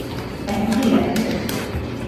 Andy Legg